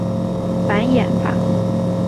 繁衍吧！